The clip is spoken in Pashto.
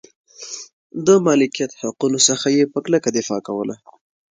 د مالکیت حقونو څخه یې په کلکه دفاع کوله.